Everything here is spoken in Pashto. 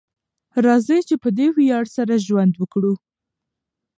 راځئ چې په دې ویاړ سره ژوند وکړو.